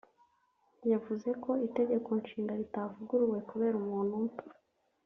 yavuze ko Itegeko Nshinga ritavuguruwe kubera umuntu umwe